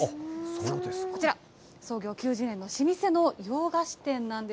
さあこちら、創業９０年の老舗の洋菓子店なんです。